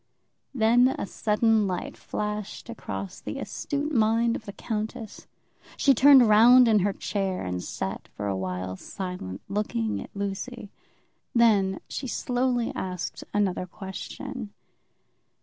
Then a sudden light flashed across the astute mind of the countess. She turned round in her chair, and sat for awhile silent, looking at Lucy. Then she slowly asked another question.